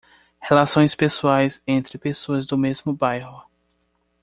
Relações pessoais entre pessoas do mesmo bairro.